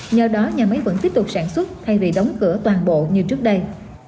nhờ đó nhà máy vẫn tiếp tục sản xuất thay vì đóng cửa toàn bộ như trước đây